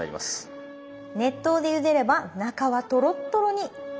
熱湯でゆでれば中はトロットロに。